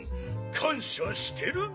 かんしゃしてるガン。